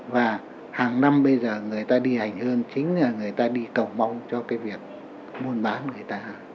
và hàng năm bây giờ người ta đi hành hơn chính là người ta đi cầu mong cho cái việc buôn bán người ta